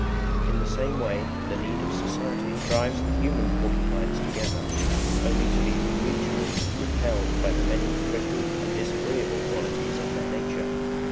In the same way the need of society drives the human porcupines together, only to be mutually repelled by the many prickly and disagreeable qualities of their nature.